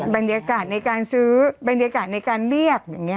บรรยากาศในการซื้อบรรยากาศในการเรียบ